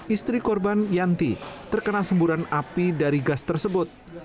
istri korban yanti terkena semburan api dari gas tersebut